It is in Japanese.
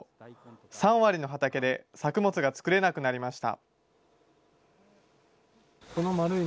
３割の畑で作物が作れなくなりました。